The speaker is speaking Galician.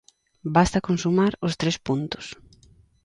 Basta con sumar os tres puntos.